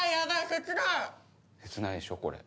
切ないでしょこれ。